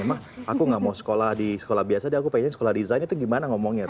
emang aku gak mau sekolah di sekolah biasa deh aku pengen sekolah desain itu gimana ngomongnya